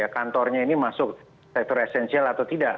kantornya ini masuk sektor esensial atau tidak